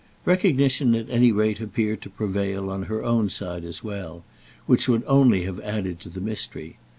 Recognition at any rate appeared to prevail on her own side as well—which would only have added to the mystery.